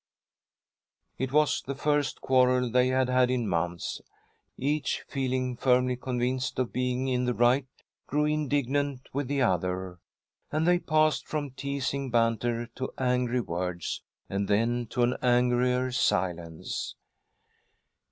'" It was the first quarrel they had had in months. Each, feeling firmly convinced of being in the right, grew indignant with the other, and they passed from teasing banter to angry words, and then to an angrier silence.